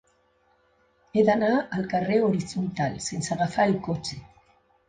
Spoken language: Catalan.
He d'anar al carrer Horitzontal sense agafar el cotxe.